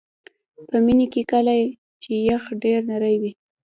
په مني کې کله چې یخ ډیر نری وي